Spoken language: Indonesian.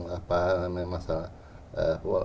apa namanya masalahnya